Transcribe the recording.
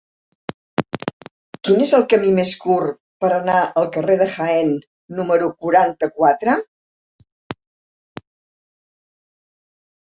Quin és el camí més curt per anar al carrer de Jaén número quaranta-quatre?